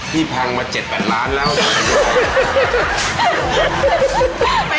พี่พังมา๗ปันล้านแล้วดีกว่า